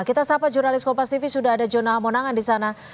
kita sapa jurnalis kopas tv sudah ada jona amonangan di sana